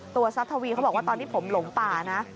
ทรัพย์ทวีเขาบอกว่าตอนที่ผมหลงป่านะ